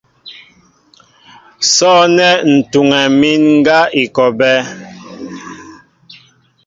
Sɔ̂nɛ́ ǹ tuŋɛ mín ŋgá i kɔ a bɛ́.